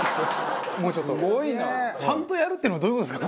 「ちゃんとやる」っていうのはどういう事ですか？